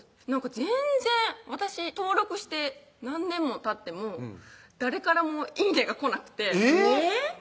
全然私登録して何年もたっても誰からもいいねが来なくてえぇっ！